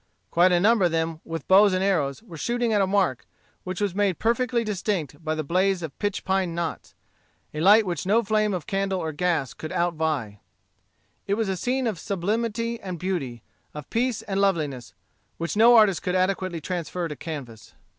Quite a number of them, with bows and arrows, were shooting at a mark, which was made perfectly distinct by the blaze of pitch pine knots, a light which no flame of candle or gas could outvie. It was a scene of sublimity and beauty, of peace and loveliness, which no artist could adequately transfer to canvas.